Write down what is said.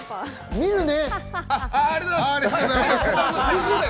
見るね！